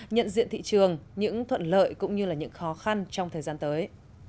nhận diện thị trường những thuận lợi cũng như là những khó khăn trong thời gian tới